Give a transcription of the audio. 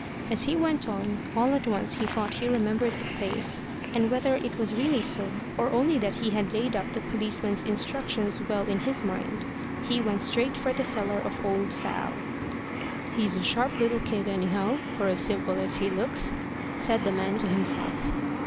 As he went on, all at once he thought he remembered the place, and whether it really was so, or only that he had laid up the policeman's instructions well in his mind, he went straight for the cellar of old Sal. "He's a sharp little kid, anyhow, for as simple as he looks," said the man to himself.